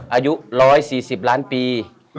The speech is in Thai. อายุ๑๔๐ล้านปี